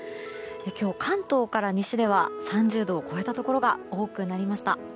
今日、関東から西では３０度を超えたところが多くなりました。